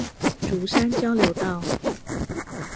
竹山交流道